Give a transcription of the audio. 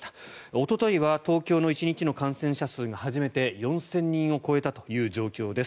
おとといは東京の１日の感染者数が初めて４０００人を超えたという状況です。